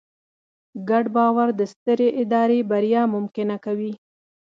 ګډ باور د سترې ادارې بریا ممکنه کوي.